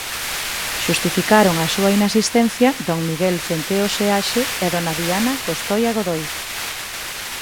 Xustificaron a súa inasistencia don Miguel Centeo Seaxe e dona Diana Costoia Godoi.